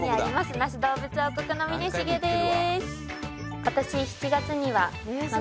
那須どうぶつ王国の峰重です